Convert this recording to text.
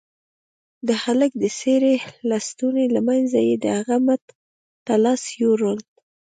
د هلك د څيرې لستوڼي له منځه يې د هغه مټ ته لاس يووړ.